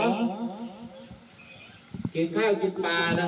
อย่าทำร้ายตัวเองเลยครับมันไม่ใช่สิ่งที่ดีหลังลุง